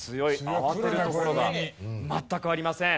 慌てるところが全くありません。